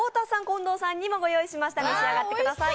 近藤さんにも用意しました。